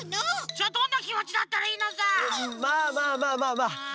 じゃあどんなきもちだったらいいのさ！まあまあまあまあまあ！